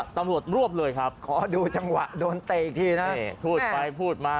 ตำรวจรวบเลยครับขอดูจังหวะโดนเตะอีกทีนะพูดไปพูดมา